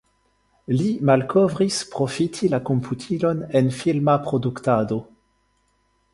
Li malkovris profiti la komputilon en filma produktado.